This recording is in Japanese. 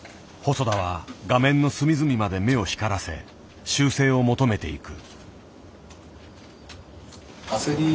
細田は画面の隅々まで目を光らせ修正を求めていく。